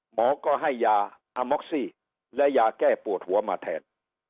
หมอก็ให้ยาอาม็อกซี่และยาแก้ปวดหัวมาแทน